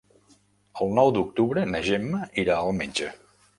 El nou d'octubre na Gemma irà al metge.